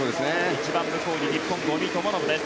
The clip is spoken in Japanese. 一番向こうに日本の五味智信です。